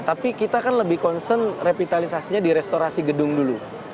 tapi kita kan lebih concern revitalisasinya di restorasi gedung dulu